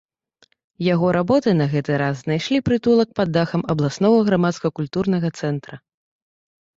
Яго работы на гэты раз знайшлі прытулак пад дахам абласнога грамадска-культурнага цэнтра.